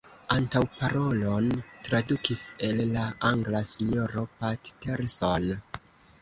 Antaŭparolon tradukis el la angla Sinjoro Patterson.